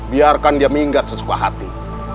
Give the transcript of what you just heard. biarkan dia minggat sesuka hati